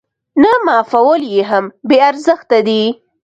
نه معافول يې هم بې ارزښته دي.